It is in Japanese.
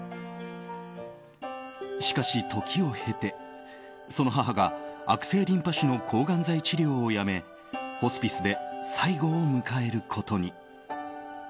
しかし時を経て、その母が悪性リンパ腫の抗がん剤治療をやめホスピスで最期を迎えることに。